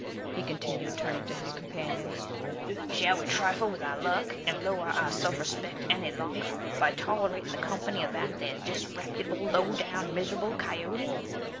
he continued, turning to his companions, "shall we trifle with our luck, and lower our self respect any longer by tolerating the company of that there disreputable, low down, miserable coyote?